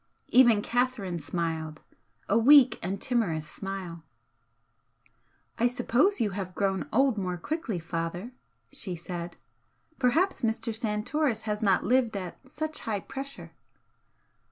Even Catherine smiled a weak and timorous smile. "I suppose you have grown old more quickly, father," she said "Perhaps Mr. Santoris has not lived at such high pressure."